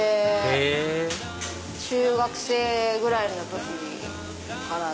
へぇ中学生ぐらいの時から。